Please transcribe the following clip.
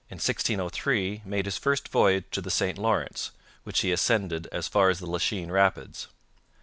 In 1603 made his first voyage to the St Lawrence, which he ascended as far as the Lachine Rapids.